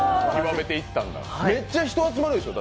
めっちゃ人集まるでしょ？